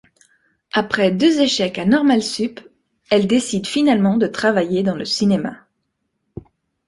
Après deux échecs à Normale sup, elle décide finalement de travailler dans le cinéma.